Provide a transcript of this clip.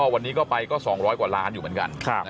วันนี้ก็ไปก็๒๐๐กว่าล้านอยู่เหมือนกัน